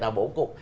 đầu bổ cục